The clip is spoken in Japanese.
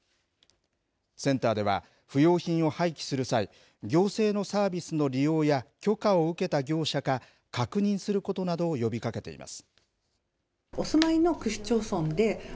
センターでは不用品を廃棄する際行政のサービスの利用や許可を受けた業者か確認することなどを呼びかけています。